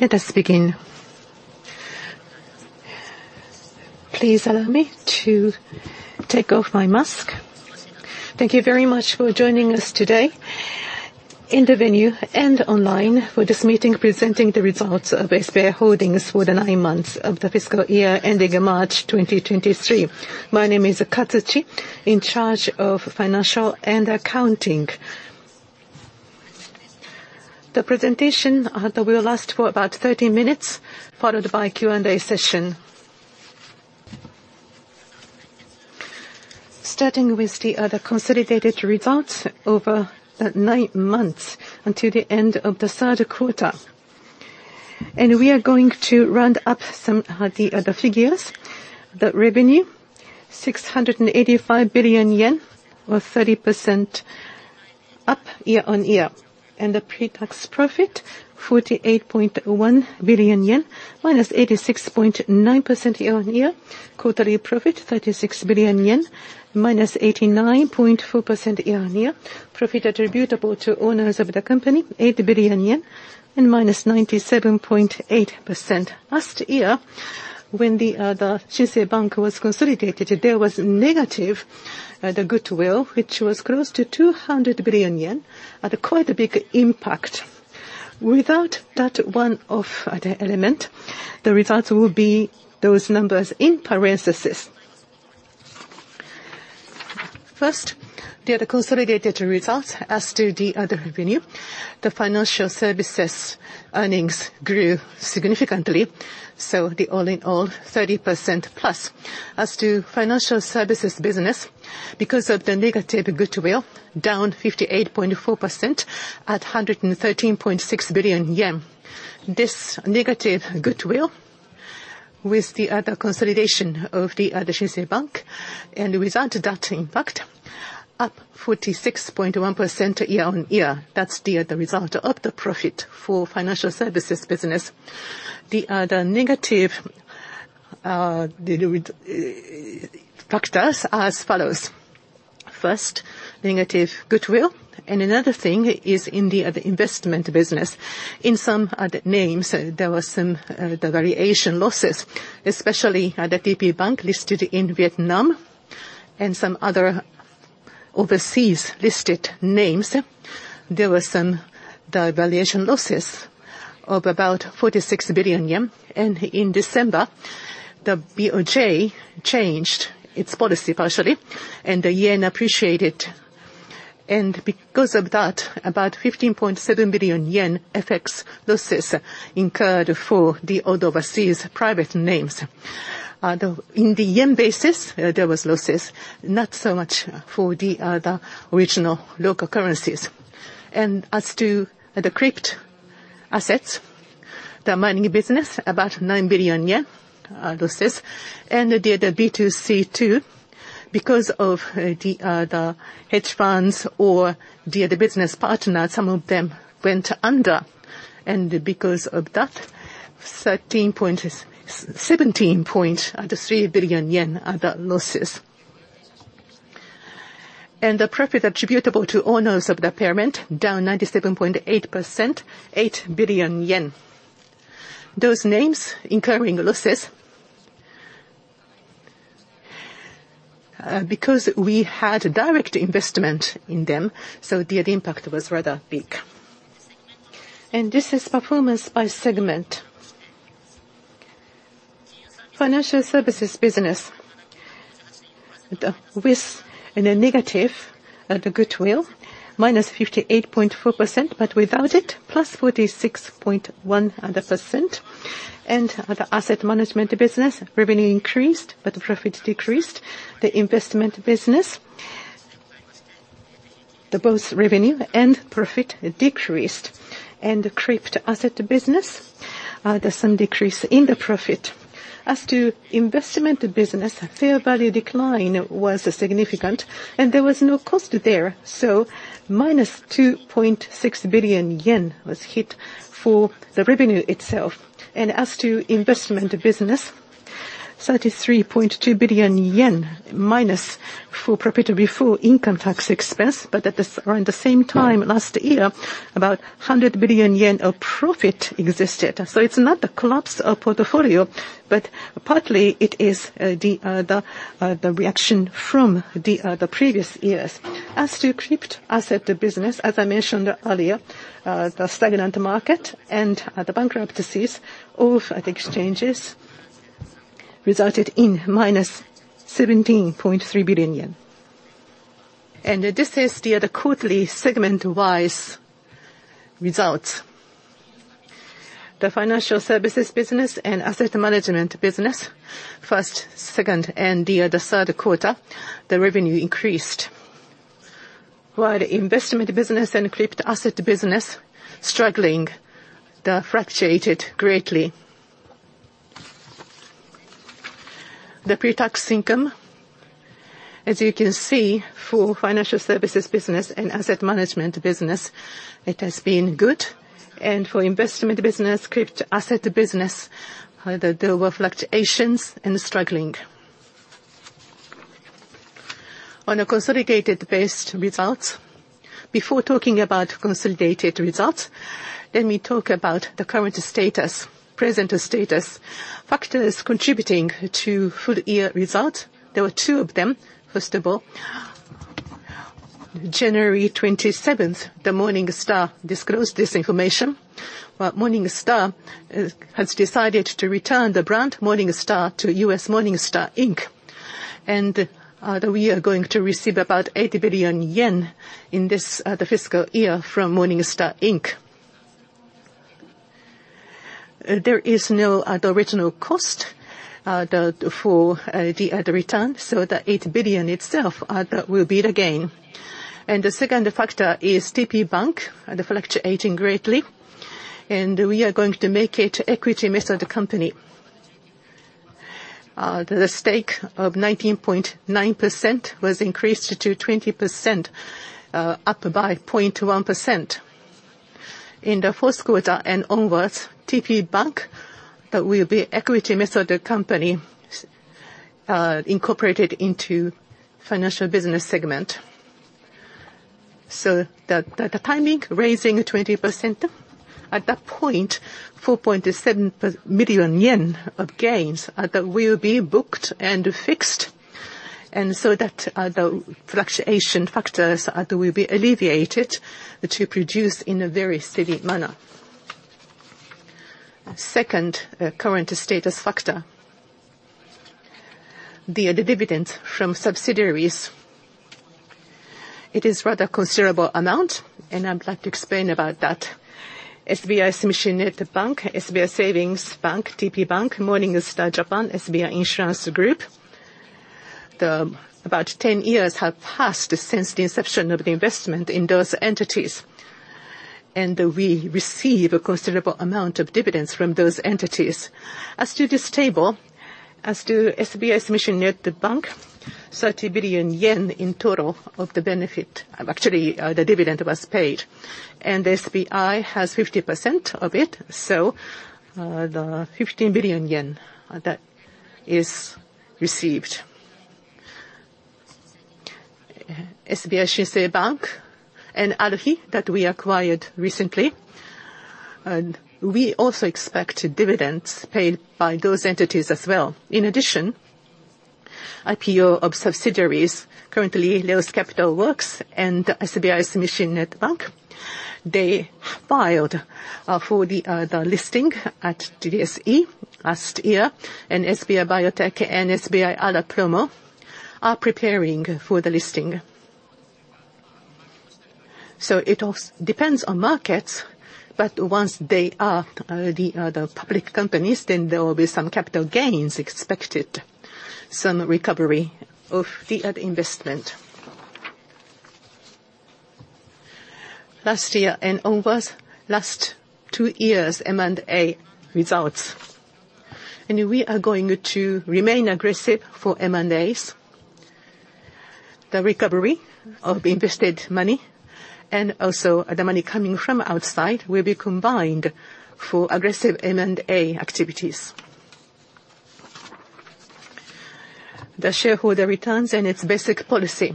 Let us begin. Please allow me to take off my mask. Thank you very much for joining us today in the venue and online for this meeting presenting the results of SBI Holdings for the nine months of the fiscal year ending in March 2023. My name is Katsuchi, in charge of financial and accounting. The presentation will last for about 30 minutes, followed by Q&A session. Starting with the consolidated results over nine months until the end of the Q3. We are going to round up some the figures. The revenue, 685 billion yen, or 30% up year-on-year. The pretax profit, 48.1 billion yen, -86.9% year-on-year. Quarterly profit, 36 billion yen, -89.4% year-on-year. Profit attributable to owners of the company, 8 billion yen minus 97.8%. Last year when the SBI Shinsei Bank was consolidated, there was negative goodwill, which was close to 200 billion yen at a quite a big impact. Without that one-off element, the results will be those numbers in parentheses. The other consolidated results. As to the other revenue, the financial services earnings grew significantly, the all in all, 30%+. As to financial services business, because of the negative goodwill down 58.4% at 113.6 billion yen. This negative goodwill with the other consolidation of the SBI Shinsei Bank without that impact, up 46.1% year-on-year. That's the result of the profit for financial services business. The other negative de-reduce factors are as follows. First, negative goodwill. Another thing is in the other investment business. In some other names, there were some the variation losses, especially the TPBank listed in Vietnam and some other overseas listed names. There were some, the valuation losses of about 46 billion yen. In December, the BOJ changed its policy partially, and the yen appreciated. Because of that, about 15.7 billion yen FX losses incurred for the overseas private names. The, in the yen basis, there was losses, not so much for the regional local currencies. As to the crypt assets, the mining business, about 9 billion yen losses. There, the B2C2. Because of the hedge funds or the business partner, some of them went under. Because of that, 17.3 billion yen are the losses. The profit attributable to owners of the parent, down 97.8%, 8 billion yen. Those names incurring losses because we had direct investment in them, so the impact was rather big. This is performance by segment. Financial services business with in a negative, the goodwill, -58.4%, but without it, +46.1%. The asset management business revenue increased, but profit decreased. The investment business, the both revenue and profit decreased. The Crypto-asset Business, there's some decrease in the profit. As to investment business, fair value decline was significant and there was no cost there, so -2.6 billion yen was hit for the revenue itself. As to investment business, 33.2 billion yen minus for profit before income tax expense. At this, around the same time last year, about 100 billion yen of profit existed. It's not the collapse of portfolio, but partly it is the reaction from the previous years. As to Crypto-asset Business, as I mentioned earlier, the stagnant market and the bankruptcies of exchanges resulted in minus 17.3 billion yen. This is the quarterly segment-wise results. The financial services business and asset management business, Q1, Q2 and Q3, the revenue increased. While investment business and Crypto-asset Business struggling, they fluctuated greatly. The pretax income, as you can see, for financial services business and asset management business, it has been good. For investment business, Crypto-asset Business, there were fluctuations and struggling. On a consolidated-based results. Before talking about consolidated results, let me talk about the current status, present status. Factors contributing to full-year results, there were two of them. First of all, January 27, Morningstar, disclosed this information, where Morningstar, Inc. has decided to return the brand Morningstar to Morningstar Inc. That we are going to receive about 80 billion yen in this fiscal year from Morningstar Inc. There is no original cost for the return, so the 8 billion itself, that will be the gain. The second factor is TPBank, and the fluctuation greatly, and we are going to make it equity method company. The stake of 19.9% was increased to 20%, up by 0.1%. In Q4 and onwards, TPBank, that will be equity method company, incorporated into financial business segment. The timing, raising 20%, at that point, 4.7 million yen of gains, that will be booked and fixed, the fluctuation factors, will be alleviated to produce in a very steady manner. Current status factor. Dividends from subsidiaries. It is rather considerable amount, and I'd like to explain about that. SBI Sumishin Net Bank, SBI Savings Bank, TPBank, Morningstar Japan, SBI Insurance Group. About 10 years have passed since the inception of the investment in those entities, and we receive a considerable amount of dividends from those entities. As to this table, as to SBI Sumishin Net Bank, 30 billion yen in total of the benefit. Actually, the dividend was paid, and SBI has 50% of it, so 15 billion yen, that is received. SBI Shinsei Bank and ARUHI, that we acquired recently, and we also expect dividends paid by those entities as well. In addition, IPO of subsidiaries, currently Leos Capital Works and SBI Sumishin Net Bank, they filed for the listing at TSE last year, and SBI Biotech and SBI ALApromo are preparing for the listing. It depends on markets, but once they are the public companies, then there will be some capital gains expected, some recovery of the investment. Last year and onwards, last two years' M&A results, and we are going to remain aggressive for M&As. The recovery of invested money and also the money coming from outside will be combined for aggressive M&A activities. The shareholder returns and its basic policy,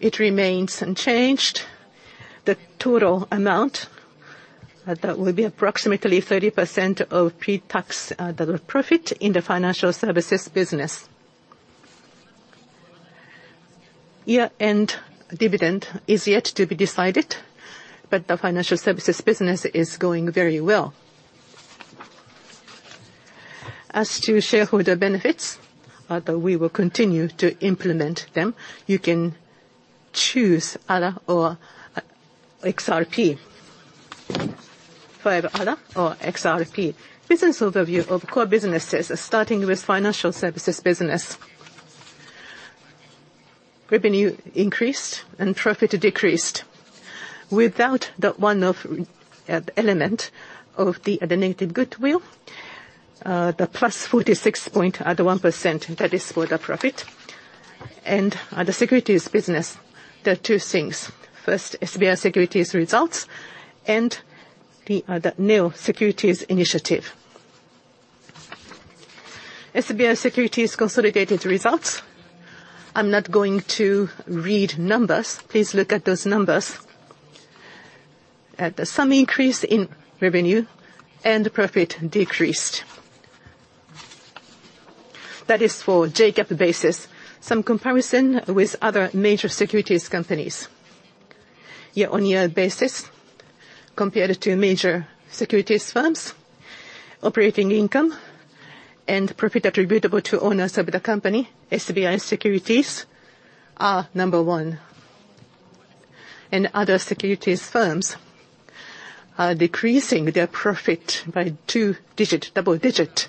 it remains unchanged. The total amount that would be approximately 30% of pretax the profit in the financial services business. Year-end dividend is yet to be decided, but the financial services business is going very well. As to shareholder benefits, we will continue to implement them. You can choose Ala or XRP. Forever 5-ALA or XRP. Business overview of core businesses, starting with financial services business. Revenue increased and profit decreased. Without the one-off element of the negative goodwill, the +46.1%, that is for the profit. The securities business, there are two things. First, SBI Securities results and the Neo-securities initiative. SBI Securities consolidated results, I'm not going to read numbers. Please look at those numbers. At some increase in revenue and profit decreased. That is for JGAAP basis. Some comparison with other major securities companies. year-on-year basis, compared to major securities firms, operating income and profit attributable to owners of the company, SBI Securities are number one. Other securities firms are decreasing their profit by two-digit, double-digit,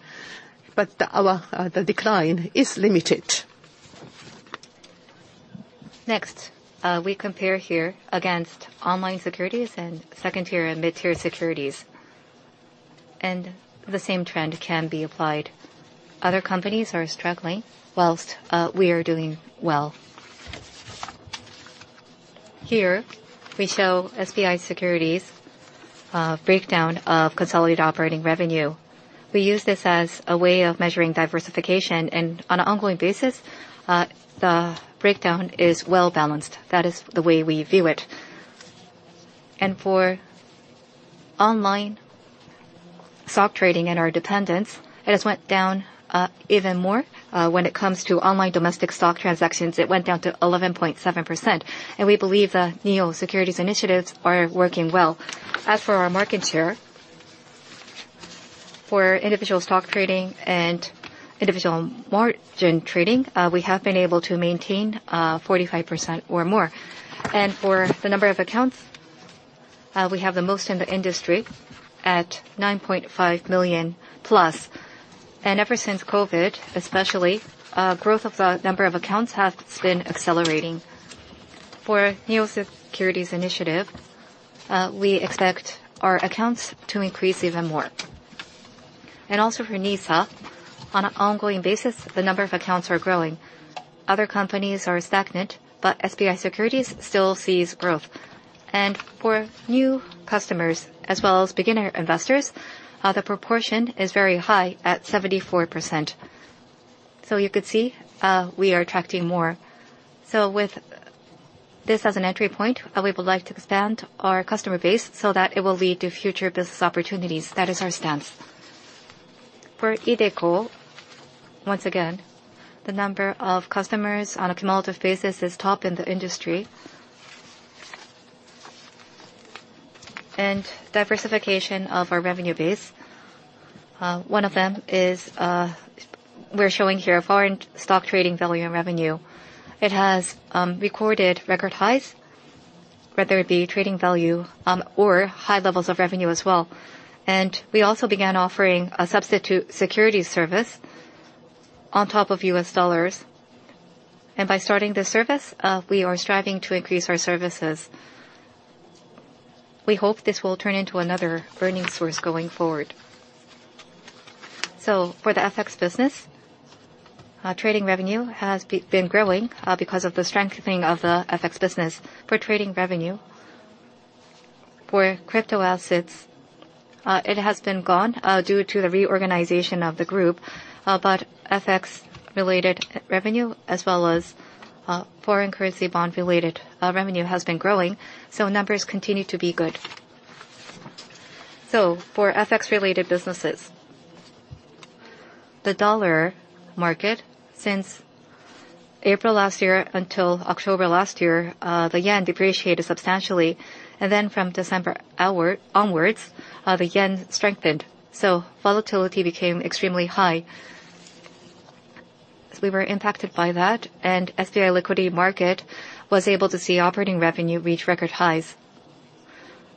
but our the decline is limited. Next, we compare here against online securities and second tier and mid-tier securities. The same trend can be applied. Other companies are struggling, whilst, we are doing well. Here we show SBI Securities breakdown of consolidated operating revenue. We use this as a way of measuring diversification, and on an ongoing basis, the breakdown is well-balanced. That is the way we view it. For online stock trading and our dependents, it has went down even more when it comes to online domestic stock transactions, it went down to 11.7%, and we believe the NEO Securities initiatives are working well. As for our market share, for individual stock trading and individual margin trading, we have been able to maintain 45% or more. For the number of accounts, we have the most in the industry at 9.5 million+. Ever since COVID-19, especially, growth of the number of accounts has been accelerating. For Neo-securities initiative, we expect our accounts to increase even more. Also for NISA, on an ongoing basis, the number of accounts are growing. Other companies are stagnant, but SBI Securities still sees growth. For new customers as well as beginner investors, the proportion is very high at 74%. So you could see, we are attracting more. So with this as an entry point, we would like to expand our customer base so that it will lead to future business opportunities. That is our stance. For iDeCo, once again, the number of customers on a cumulative basis is top in the industry. Diversification of our revenue base, one of them is, we're showing here foreign stock trading value and revenue. It has recorded record highs, whether it be trading value, or high levels of revenue as well. We also began offering a substitute securities service on top of U.S. dollars. By starting this service, we are striving to increase our services. We hope this will turn into another earning source going forward. For the FX business, trading revenue has been growing because of the strengthening of the FX business. For trading revenue for crypto assets, it has been gone due to the reorganization of the group, but FX-related revenue as well as foreign currency bond-related revenue has been growing, so numbers continue to be good. For FX-related businesses, the dollar market since April last year until October last year, the yen depreciated substantially, and then from December onwards, the yen strengthened, volatility became extremely high. We were impacted by that, SBI Liquidity Market was able to see operating revenue reach record highs.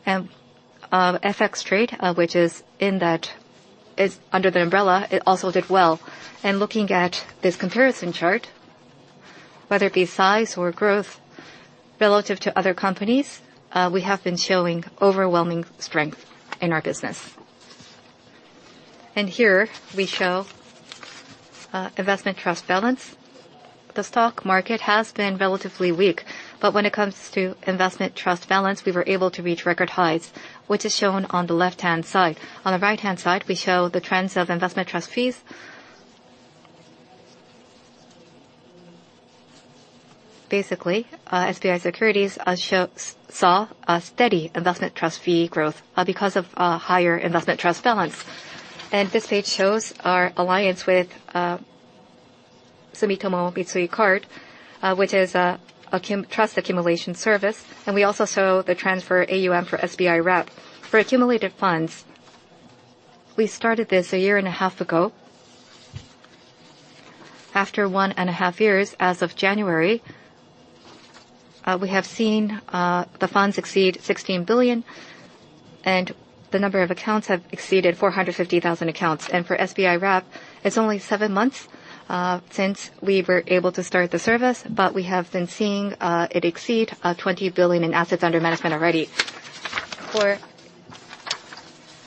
SBI FXTRADE, which is under the umbrella, it also did well. Looking at this comparison chart, whether it be size or growth relative to other companies, we have been showing overwhelming strength in our business. Here we show investment trust balance. The stock market has been relatively weak, when it comes to investment trust balance, we were able to reach record highs, which is shown on the left-hand side. On the right-hand side, we show the trends of investment trust fees. Basically, SBI Securities saw a steady investment trust fee growth because of higher investment trust balance. This page shows our alliance with Sumitomo Mitsui Card, which is a trust accumulation service, and we also show the transfer AUM for SBI Wrap. For accumulated funds, we started this a 1.5 years ago. After one and a half years, as of January, we have seen the funds exceed 16 billion, and the number of accounts have exceeded 450,000 accounts. For SBI Wrap, it's only seven months since we were able to start the service, but we have been seeing it exceed 20 billion in assets under management already.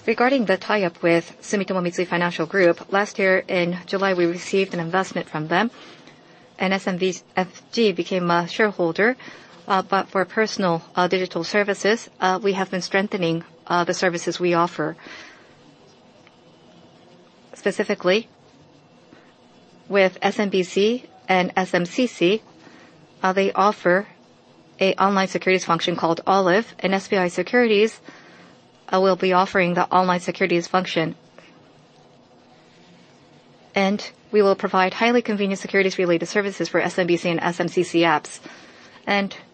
Regarding the tie-up with Sumitomo Mitsui Financial Group, last year in July, we received an investment from them, and SMFG became a shareholder. But for personal digital services, we have been strengthening the services we offer. Specifically, with SMBC and SMCC, they offer a online securities function called Olive, and SBI Securities will be offering the online securities function. We will provide highly convenient securities-related services for SMBC and SMCC apps.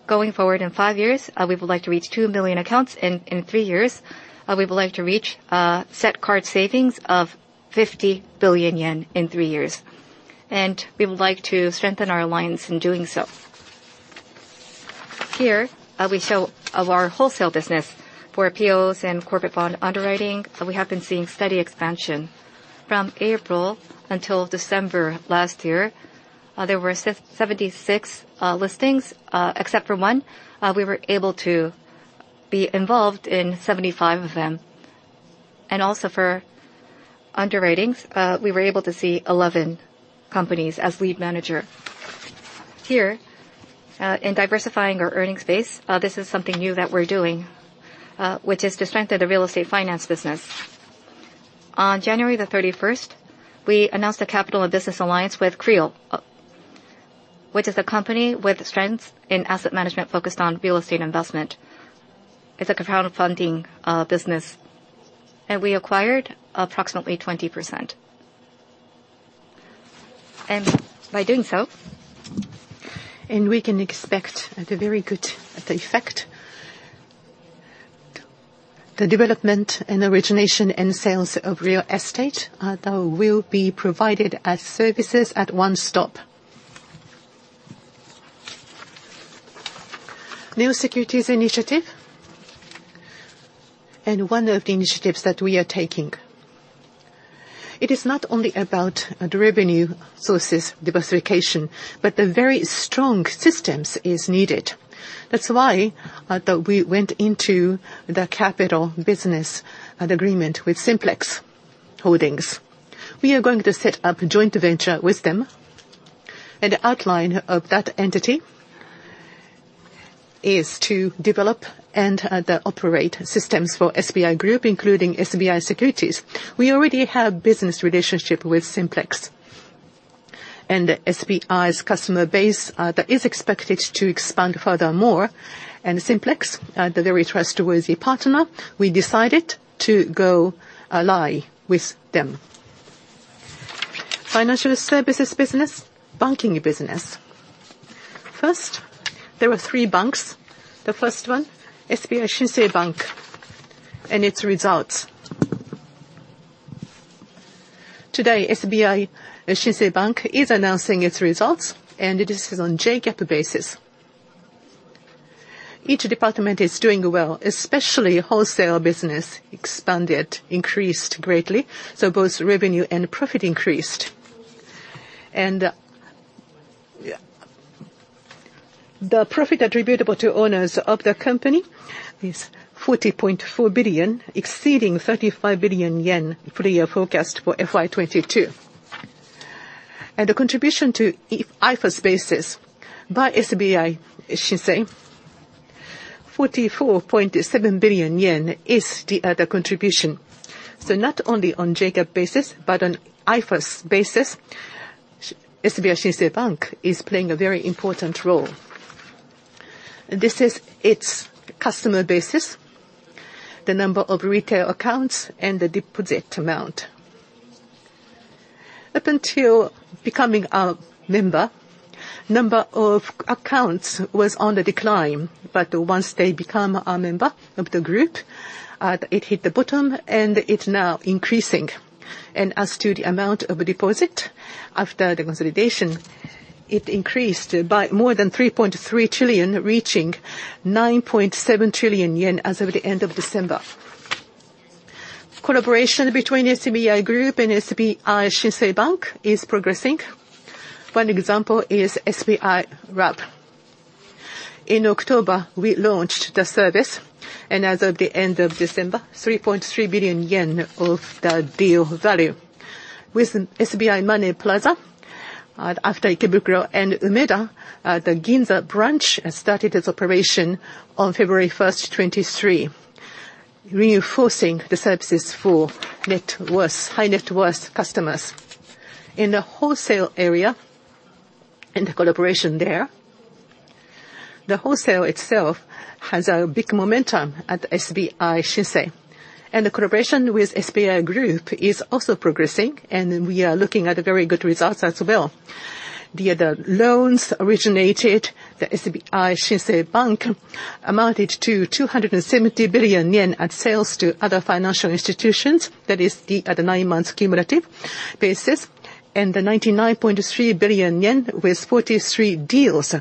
Going forward in five years, we would like to reach two billion accounts, and in three years, we would like to reach set card savings of 50 billion yen in three years. We would like to strengthen our alliance in doing so. Here, we show of our wholesale business. For IPOs and corporate bond underwriting, we have been seeing steady expansion. From April until December last year, there were 76 listings, except for one, we were able to be involved in 75 of them. Also for underwritings, we were able to see 11 companies as lead manager. Here, in diversifying our earnings base, this is something new that we're doing, which is to strengthen the real estate finance business. On January the 31, we announced a capital and business alliance with CREAL, which is a company with strengths in asset management focused on real estate investment. It's a compound funding business, and we acquired approximately 20%. By doing so. We can expect the very good effect. The development and origination and sales of real estate that will be provided as services at one stop. Neo-securities Initiative and one of the initiatives that we are taking. It is not only about the revenue sources diversification, but the very strong systems is needed. That's why that we went into the capital business agreement with Simplex Holdings. We are going to set up a joint venture with them, and the outline of that entity is to develop and operate systems for SBI Group, including SBI Securities. We already have business relationship with Simplex. SBI's customer base that is expected to expand furthermore. Simplex, the very trustworthy partner, we decided to go ally with them. Financial services business, banking business. First, there were three banks. The first one, SBI Shinsei Bank and its results. Today, SBI Shinsei Bank is announcing its results, this is on JGAAP basis. Each department is doing well, especially wholesale business expanded, increased greatly, so both revenue and profit increased. Yeah. The profit attributable to owners of the company is 40.4 billion, exceeding 35 billion yen full year forecast for FY 2022. The contribution to IFRS basis by SBI Shinsei, 44.7 billion yen is the contribution. Not only on JGAAP basis, but on IFRS basis, SBI Shinsei Bank is playing a very important role. This is its customer basis, the number of retail accounts and the deposit amount. Up until becoming a member, number of accounts was on the decline, but once they become a member of the group, it hit the bottom and it's now increasing. As to the amount of deposit, after the consolidation, it increased by more than 3.3 trillion, reaching 9.7 trillion yen as of the end of December. Collaboration between SBI Group and SBI Shinsei Bank is progressing. One example is SBI Lab. In October, we launched the service, and as of the end of December, 3.3 billion yen of the deal value. With SBI MONEY PLAZA, after Ikebukuro and Umeda, the Ginza branch started its operation on February 1, 2023, reinforcing the services for net worth, high net worth customers. In the wholesale area and the collaboration there, the wholesale itself has a big momentum at SBI Shinsei. The collaboration with SBI Group is also progressing, and we are looking at very good results as well. The loans originated the SBI Shinsei Bank amounted to 270 billion yen at sales to other financial institutions. That is the nine months cumulative basis. The 99.3 billion yen with 43 deals,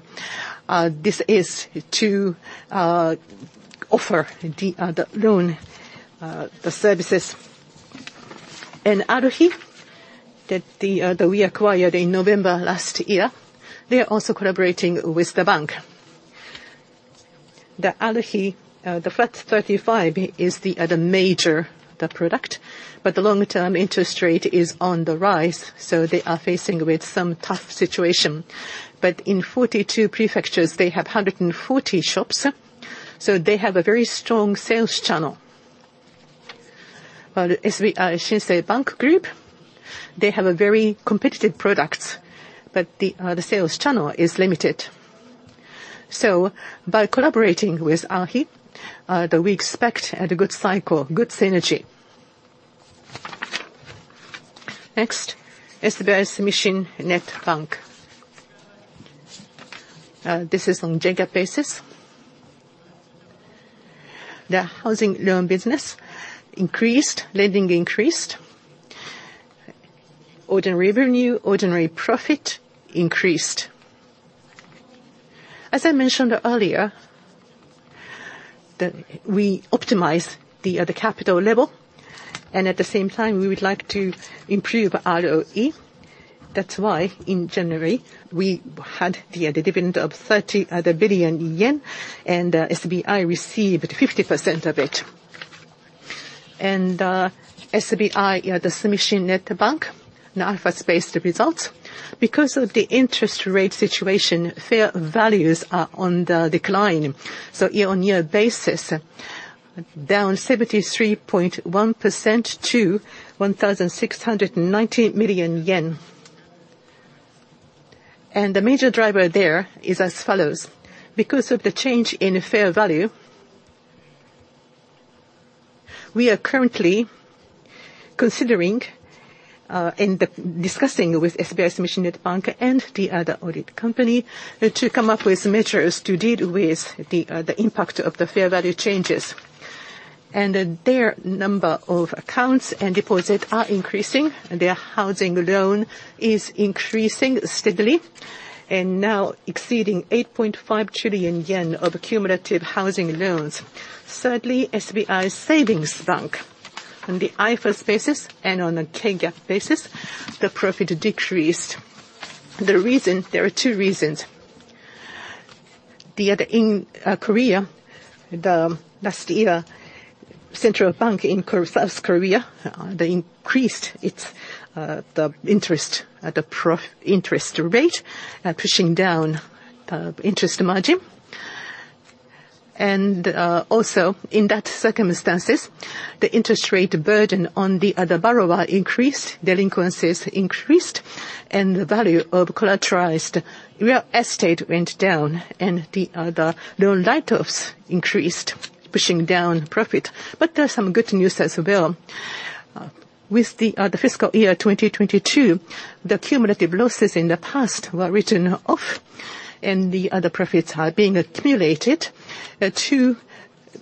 this is to offer the loan services. ARUHI, that we acquired in November last year, they are also collaborating with the bank. The ARUHI Flat 35 is the major product, but the long-term interest rate is on the rise, so they are facing with some tough situation. In 42 prefectures, they have 140 shops, so they have a very strong sales channel. While SBI Shinsei Bank Group, they have a very competitive products, but the sales channel is limited. By collaborating with ARUHI, we expect at a good cycle, good synergy. Next, SBI Sumishin Net Bank. This is on JGAAP basis. The housing loan business increased, lending increased. Ordinary revenue, ordinary profit increased. As I mentioned earlier, we optimize the capital level, and at the same time, we would like to improve ROE. That's why in January, we had the dividend of 30 billion yen, and SBI received 50% of it. SBI, the Sumishin Net Bank now first base the results. Because of the interest rate situation, fair values are on the decline. Year-on-year basis, down 73.1% to 1,690 million yen. The major driver there is as follows: because of the change in fair value, we are currently considering and discussing with SBI Sumishin Net Bank and the other audit company to come up with measures to deal with the impact of the fair value changes. Their number of accounts and deposit are increasing, and their housing loan is increasing steadily, and now exceeding 8.5 trillion yen of cumulative housing loans. Thirdly, SBI's SAVINGS BANK on the IFRS basis and on a KGAAP basis, the profit decreased. The reason, there are two reasons. The other in Korea, the last year central bank in South Korea, they increased its the interest rate, pushing down interest margin. Also in that circumstances, the interest rate burden on the other borrower increased, delinquencies increased, and the value of collateralized real estate went down, and the loan write-offs increased, pushing down profit. There are some good news as well. With the fiscal year 2022, the cumulative losses in the past were written off, and the other profits are being accumulated to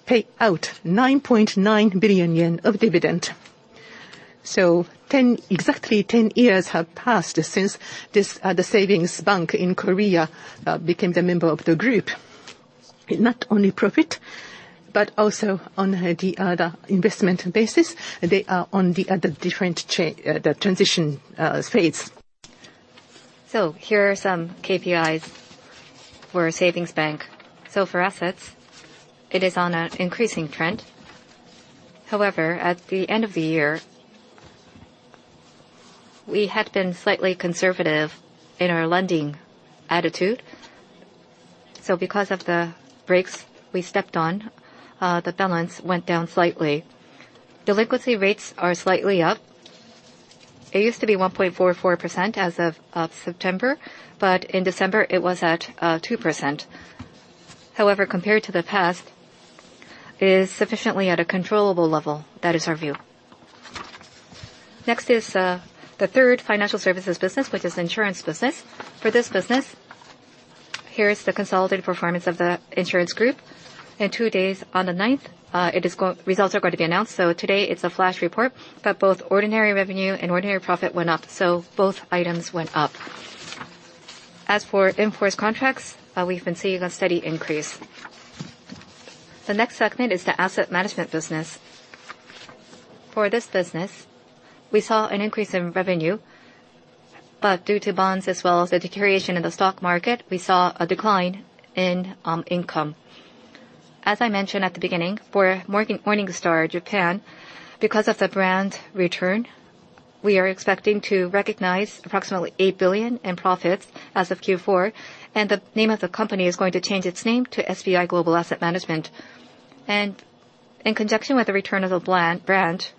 pay out 9.9 billion yen of dividend. Exactly 10 years have passed since this, the Savings Bank in Korea, became the member of the group. Not only profit, but also on the investment basis, they are on the different transition phase. Here are some KPIs for SBI Savings Bank. For assets, it is on an increasing trend. However, at the end of the year, we had been slightly conservative in our lending attitude. Because of the breaks we stepped on, the balance went down slightly. Delinquency rates are slightly up. It used to be 1.44% as of September, but in December, it was at 2%. However, compared to the past, it is sufficiently at a controllable level. That is our view. Next is the third financial services business, which is insurance business. For this business, here is the consolidated performance of the SBI Insurance Group. In two days on the 9th, results are going to be announced, so today it's a flash report. Both ordinary revenue and ordinary profit went up, so both items went up. As for in-force contracts, we've been seeing a steady increase. The next segment is the asset management business. For this business, we saw an increase in revenue, but due to bonds as well as the deterioration in the stock market, we saw a decline in income. As I mentioned at the beginning, for Morningstar Japan, because of the brand return, we are expecting to recognize approximately 8 billion in profits as of Q4. The name of the company is going to change its name to SBI Global Asset Management. In conjunction with the return of the brand,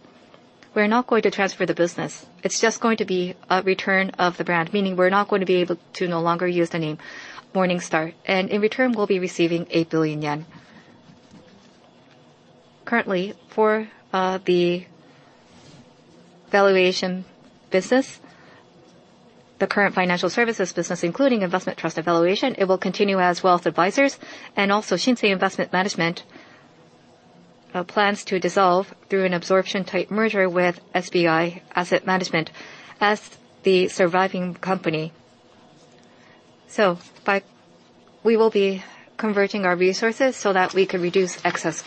we're not going to transfer the business. It's just going to be a return of the brand, meaning we're not going to be able to no longer use the name Morningstar. In return, we'll be receiving 8 billion yen. Currently, for the valuation business, the current financial services business, including investment trust valuation, it will continue as wealth advisors. Shinsei Investment Management plans to dissolve through an absorption-type merger with SBI Asset Management as the surviving company. We will be converting our resources so that we can reduce excess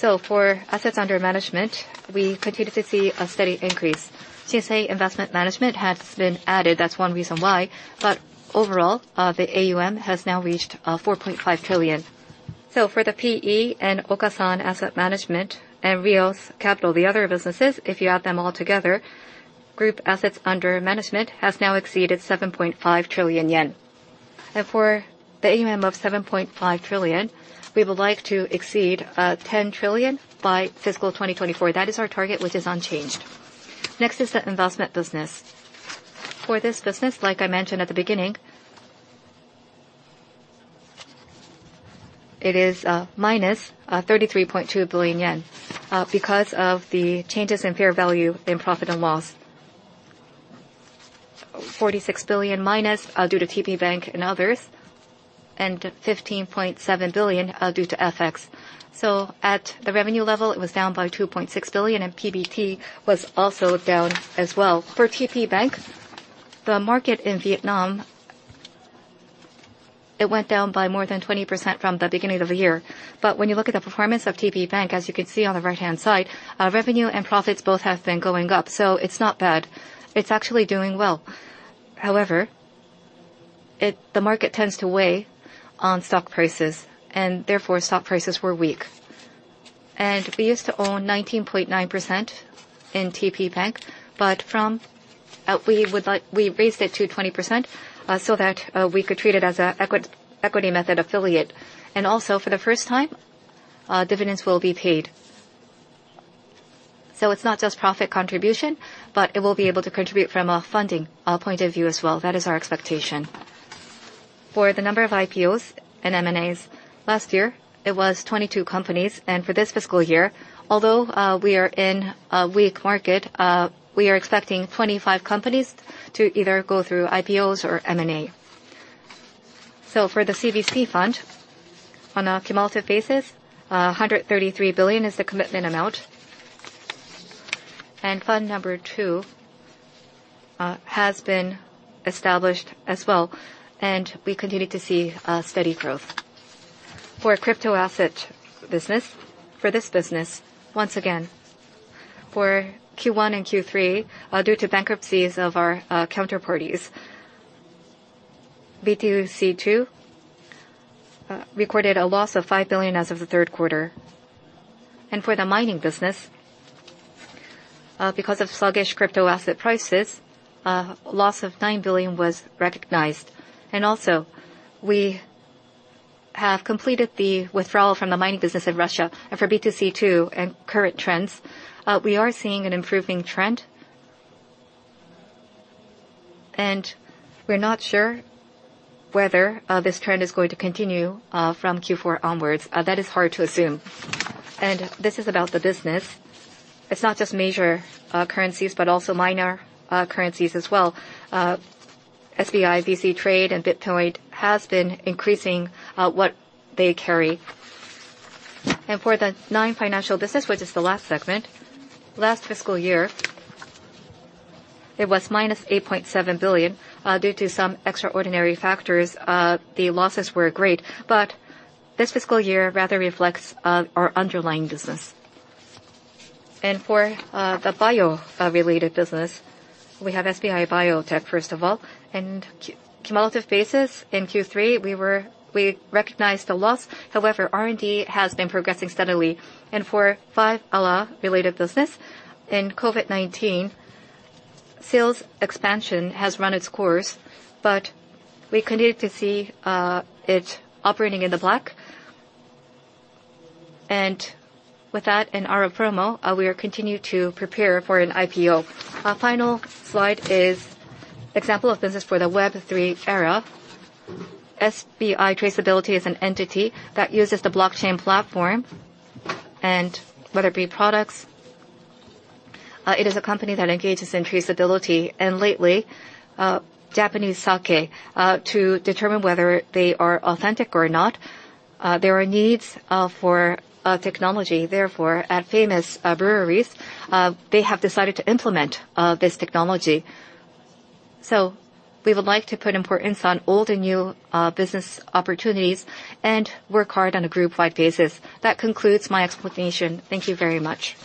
cost. For assets under management, we continue to see a steady increase. Shinsei Investment Management has been added, that's one reason why. Overall, the AUM has now reached 4.5 trillion. For the PE and Okasan Asset Management and Leos Capital, the other businesses, if you add them all together, group assets under management has now exceeded 7.5 trillion yen. For the AUM of 7.5 trillion, we would like to exceed 10 trillion by fiscal 2024. That is our target, which is unchanged. Next is the investment business. For this business, like I mentioned at the beginning, it is minus 33.2 billion yen because of the changes in fair value in profit and loss. 46 billion minus due to TPBank and others, and 15.7 billion due to FX. At the revenue level, it was down by 2.6 billion, and PBT was also down as well. For TPBank, the market in Vietnam. It went down by more than 20% from the beginning of the year. When you look at the performance of TPBank, as you can see on the right-hand side, revenue and profits both have been going up. It's not bad. It's actually doing well. However, the market tends to weigh on stock prices, and therefore stock prices were weak. We used to own 19.9% in TPBank, We raised it to 20% so that we could treat it as an equity method affiliate. Also, for the first time, dividends will be paid. It's not just profit contribution, but it will be able to contribute from a funding point of view as well. That is our expectation. For the number of IPOs and M&As, last year it was 22 companies, and for this fiscal year, although we are in a weak market, we are expecting 25 companies to either go through IPOs or M&A. For the CVC fund, on a cumulative basis, 133 billion is the commitment amount. Fund number two has been established as well. We continue to see steady growth. For Crypto-asset Business, for this business, once again, for Q1 and Q3, due to bankruptcies of our counterparties, B2C2 recorded a loss of 5 billion as of Q3. For the mining business, because of sluggish crypto asset prices, loss of 9 billion was recognized. Also, we have completed the withdrawal from the mining business in Russia. For B2C2 and current trends, we are seeing an improving trend. We're not sure whether this trend is going to continue from Q4 onwards. That is hard to assume. This is about the business. It's not just major currencies, but also minor currencies as well. SBI VC Trade and BITPOINT has been increasing what they carry. For the non-financial business, which is the last segment, last fiscal year, it was minus 8.7 billion. Due to some extraordinary factors, the losses were great. This fiscal year rather reflects our underlying business. For the bio related business, we have SBI Biotech, first of all. Cumulative basis in Q3, we recognized a loss. However, R&D has been progressing steadily. For 5-ALA related business, in COVID-19, sales expansion has run its course, but we continue to see it operating in the black. With that, in SBI ALApromo, we are continue to prepare for an IPO. Our final slide is example of business for the Web3 era. SBI Traceability is an entity that uses the blockchain platform. Whether it be products, it is a company that engages in traceability. Lately, Japanese sake, to determine whether they are authentic or not, there are needs for technology. At famous breweries, they have decided to implement this technology. We would like to put importance on old and new business opportunities and work hard on a groupwide basis. That concludes my explanation. Thank you very much.